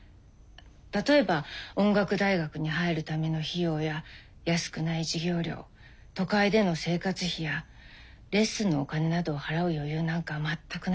例えば音楽大学に入るための費用や安くない授業料都会での生活費やレッスンのお金などを払う余裕なんか全くないんです。